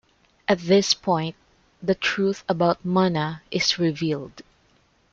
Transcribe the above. At this point the truth about Munna is revealed.